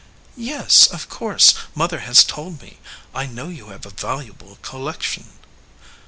"Yes, of course. Mother has told me. I know you have a valuable collection."